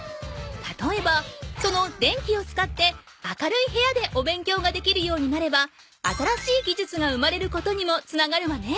たとえばこの電気を使って明るい部屋でお勉強ができるようになれば新しいぎじゅつが生まれることにもつながるわね。